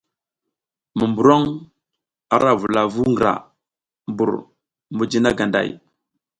Monburoŋ, a vula vu ngra mbur mijina ganday.